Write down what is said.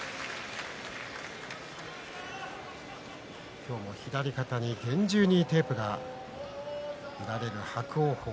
今日も、左肩に厳重なテープが見られる伯桜鵬。